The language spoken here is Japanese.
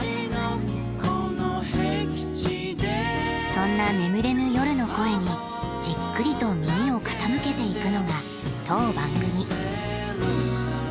そんな眠れぬ夜の声にじっくりと耳を傾けていくのが当番組。